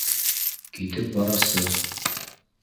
Китеп барасы